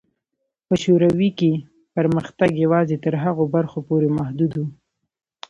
په شوروي کې پرمختګ یوازې تر هغو برخو پورې محدود و.